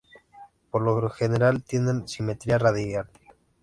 Por lo general tienen simetría radial.